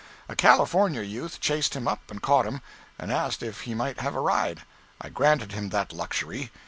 A California youth chased him up and caught him, and asked if he might have a ride. I granted him that luxury.